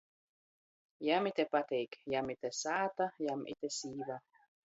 Jam ite pateik, jam ite sāta, jam ite sīva.